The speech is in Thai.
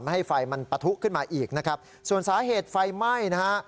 ให้ไฟมันปะทุขึ้นมาอีกนะครับส่วนสาเหตุไฟไหม้นะฮะ